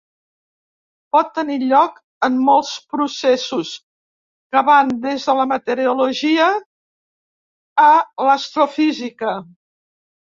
Pot tenir lloc en molts processos, que van des de la meteorologia a l'astrofísica.